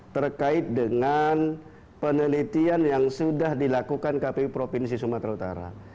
terkait dengan penelitian yang sudah dilakukan kpu provinsi sumatera utara